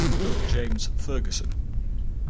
James Fergusson.